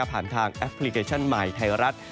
ผ่านทางแอปพลิเคชันใหม่ไทยรัฐ